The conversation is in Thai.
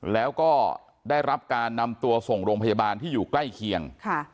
แล้วก็ได้รับการนำตัวส่งโรงพยาบาลที่อยู่ใกล้เคียง